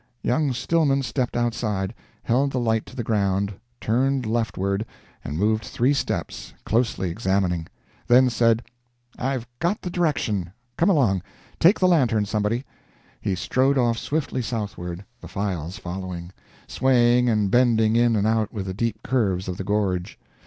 Young Stillman stepped outside, held the light to the ground, turned leftward, and moved three steps, closely examining; then said, "I've got the direction come along; take the lantern, somebody." He strode off swiftly southward, the files following, swaying and bending in and out with the deep curves of the gorge.